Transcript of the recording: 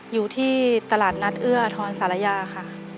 อยู่ที่ตลาดนัดเอื้อทรศาลยาค่ะ